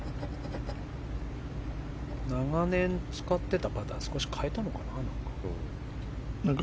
長年、使っていたパターを少し変えたのかな。